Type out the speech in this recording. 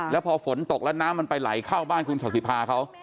แล้วพอฝนตกแล้วน้ำมันไปไหลเข้าบ้านคุณศาสิภาเขา